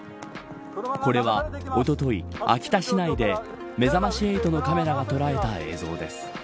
これはおととい秋田市内でめざまし８のカメラが捉えた映像です。